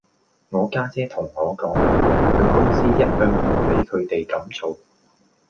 我家姐同我講，佢公司一向唔俾佢地咁做